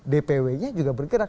dpw nya juga bergerak